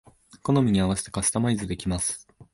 好みに合わせてカスタマイズできます